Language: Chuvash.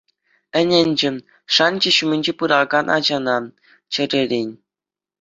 Ӗненчӗ, шанчӗ ҫумӗнче пыракан ачана, чӗререн.